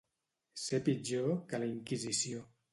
Ser pitjor que la Inquisició.